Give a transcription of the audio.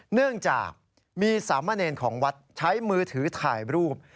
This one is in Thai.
เนื่องจากมีสามเณรของวัดใช้มือถือถ่ายรูป